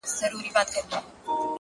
دلته ولور گټمه.!